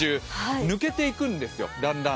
抜けていくんですよ、だんだん。